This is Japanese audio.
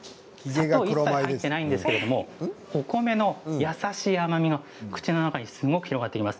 砂糖は一切入っていないんですけれどもお米の優しい甘みが口の中に広がります。